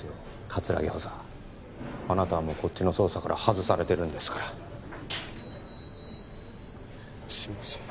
葛城補佐あなたはもうこっちの捜査から外されてるんですからすいません